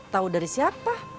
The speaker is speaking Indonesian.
tahu dari siapa